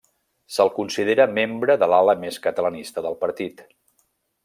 Se'l considera membre de l'ala més catalanista del partit.